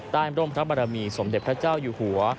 ร่มพระบารมีสมเด็จพระเจ้าอยู่หัว